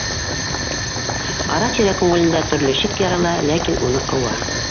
Ара-тирә күңелендә төрлө шик ярала, ләкин уны ҡыуа.